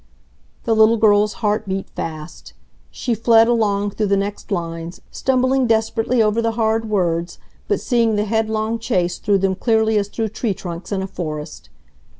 The little girl's heart beat fast. She fled along through the next lines, stumbling desperately over the hard words but seeing the headlong chase through them clearly as through tree trunks in a forest.